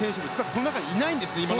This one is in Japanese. この中にいないんですね。